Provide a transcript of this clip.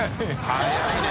早いね。